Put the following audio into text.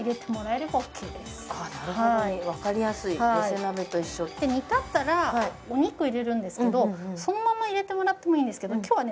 なるほどわかりやすい寄せ鍋と一緒で煮立ったらお肉入れるんですけどそのまま入れてもらってもいいんですけど今日はね